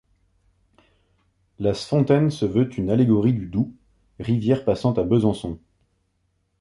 La fontaine se veut une allégorie du Doubs, rivière passant à Besançon.